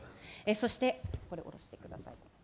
そして、これ、おろしてください。